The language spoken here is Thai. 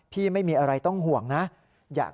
ไม่มีอะไรต้องห่วงนะ